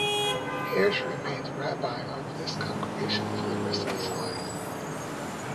Hirsch remained rabbi of this congregation for the rest of his life.